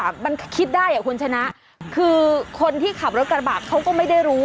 มันคิดได้อะคุณชนะกอร์เซ็นตรีย์คือคนที่ขับรถกระบาดเขาก็ไม่ได้รู้